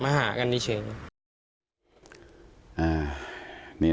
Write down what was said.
มากับการหากันนี้เนี่ย